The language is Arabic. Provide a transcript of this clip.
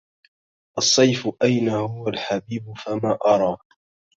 الصيف أين هو الحبيب فما أرى